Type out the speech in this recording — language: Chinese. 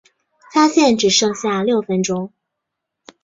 发现只剩下六分钟